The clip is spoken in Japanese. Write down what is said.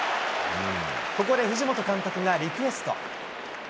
ここでふじもと監督がリクエスト。